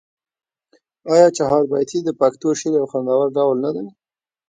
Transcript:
آیا چهاربیتې د پښتو شعر یو خوندور ډول نه دی؟